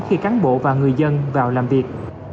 khi cán bộ và người dân vào làm việc